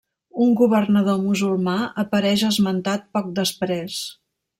Un governador musulmà apareix esmentat poc després.